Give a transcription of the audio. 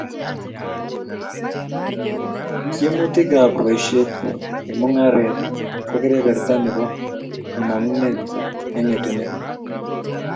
Tiemutikab boishet eng mung'aret ko kebeberta nebo kamang'unet eng etunet